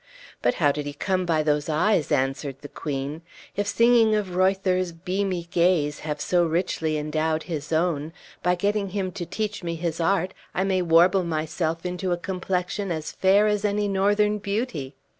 "But how did he come by those eyes?" answered the queen. "If singing of Reuther's 'beamy gaze' have so richly endowed his own, by getting him to teach me his art, I may warble myself into a complexion as fair as any northern beauty!"